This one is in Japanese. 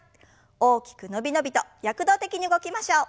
大きく伸び伸びと躍動的に動きましょう。